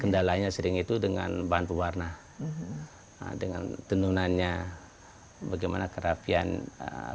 kendalanya sering itu dengan bahan pewarna dengan tenunannya bagaimana kerapian